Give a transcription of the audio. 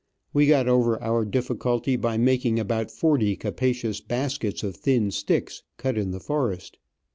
We got over our difficulty by making about forty capacious baskets of thin sticks, cut in the forest.